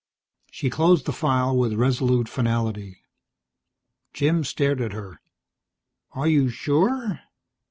She closed the file with resolute finality. Jim stared at her. "Are you sure?